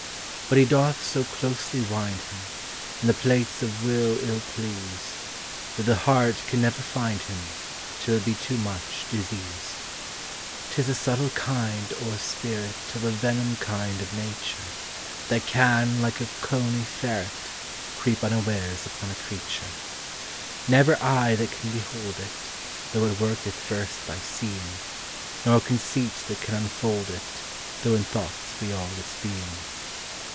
But he doth so closely wind him, In the plaits of will ill pleased, That the heart can never find him Till it be too much diseased. 'Tis a subtle kind or spirit Of a venom kind of nature, That can, like a coney ferret, Creep unawares upon a creature. Never eye that can behold it, Though it worketh first by seeing; Nor conceit that can unfold it, Though in thoughts be all its being.